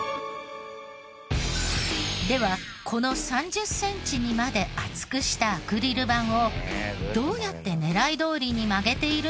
ではこの３０センチにまで厚くしたアクリル板をどうやって狙いどおりに曲げているのかというと。